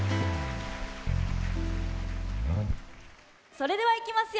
それではいきますよ！